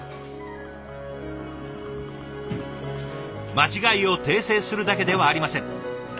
間違いを訂正するだけではありません。